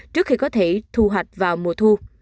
trước khi có thể thu hoạch vào mùa thu